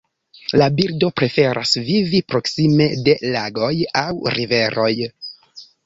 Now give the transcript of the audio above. La birdo preferas vivi proksime de lagoj aŭ riveroj.